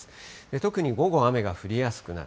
特に午後、雨が降りやすくなる。